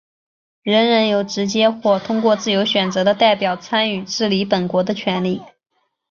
人人有直接或通过自由选择的代表参与治理本国的权利。